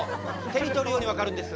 手に取るようにわかるんです。